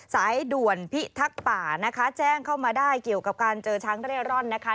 สายด่วนพิทักษ์ป่านะคะแจ้งเข้ามาได้เกี่ยวกับการเจอช้างเร่ร่อนนะคะ